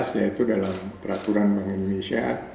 yaitu dalam peraturan bank indonesia